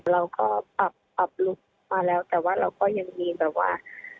เราก็ปรับปรับลุคมาแล้วแต่ว่าเราก็ยังมีแบบว่า